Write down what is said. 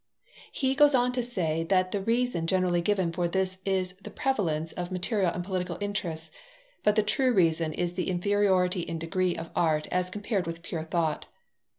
He goes on to say that the reason generally given for this is the prevalence of material and political interests. But the true reason is the inferiority in degree of art as compared with pure thought.